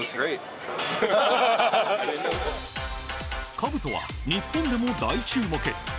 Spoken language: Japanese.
かぶとは日本でも大注目。